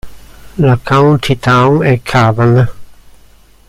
La county town è Cavan.